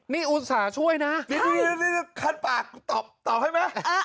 นี่อุตส่าห์ช่วยนะคันปากตอบให้ไหม